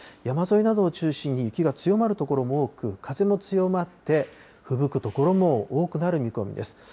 山沿いなどを中心に雪が強まる所も多く、風も強まってふぶく所も多くなる見込みです。